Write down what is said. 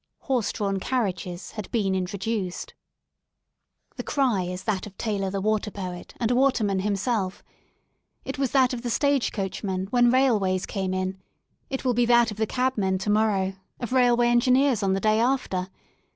Horse drawn carriages had been introduced. 48 ROADS INTO LONDON The cry is that of Taylor the water poet and a water man himself It was that of the stage coachmen when railways came in, it will be that of the cabmen to morrow, of railway engineers on the day after.